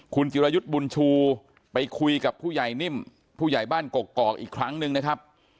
คุณจิรายุทธ์บุญชูไปคุยกับผู้ใหญ่นิ่มผู้ใหญ่บ้านกกอกอีกครั้งหนึ่งนะครับ